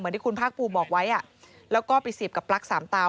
เหมือนที่คุณพรากปูบอกไว้อ่ะแล้วก็ไปสีบกับปลั๊กสามตา